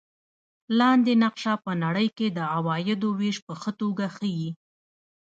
لاندې نقشه په نړۍ کې د عوایدو وېش په ښه توګه ښيي.